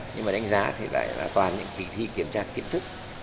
nhưng mà đánh giá thì lại là toàn những kỳ thi kiểm tra kiến thức